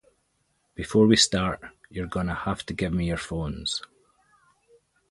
Before we start, you’re gonna have to give me your phones.